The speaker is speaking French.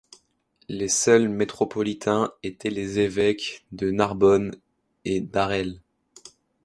Les seuls métropolitains étaient les évêques de Narbonne et d'Arles.